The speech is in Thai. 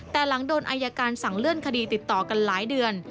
แต่หลังโดนอายการสั่งเลื่อนคดีติดต่อกันหลายเดือน